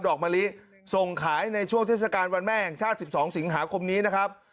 อกมะลิส่งขายในช่วงเทศกาลวันแม่แห่งชาติ๑๒สิงหาคมนี้นะครับ